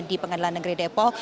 di pengadilan negeri depok